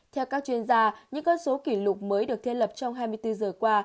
theo các chuyên gia những con số kỷ lục mới được thiết lập trong hai mươi bốn giờ qua